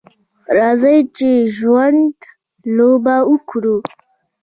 راځئ د ژوند لوبه وکړو.